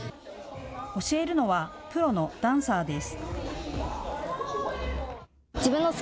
教えるのはプロのダンサーです。